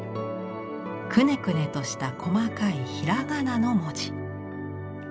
くねくねとした細かいひらがなの文字。